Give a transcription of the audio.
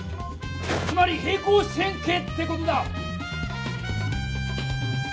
つまり平行四辺形って事だ！